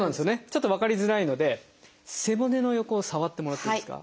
ちょっと分かりづらいので背骨の横を触ってもらっていいですか？